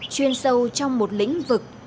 chuyên sâu trong một lĩnh vực